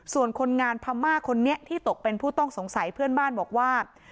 ส่วนคนงานพม่าคนนี้ที่ตกเป็นผู้ต้องสงสัยเพื่อนบ้านบอกว่า